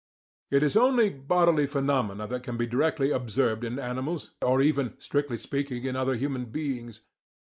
It is only bodily phenomena that can be directly observed in animals, or even, strictly speaking, in other human beings.